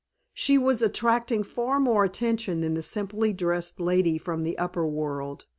She was attracting far more attention than the simply dressed lady from the upper world.